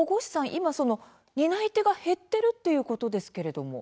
今、担い手が減っているということですけども。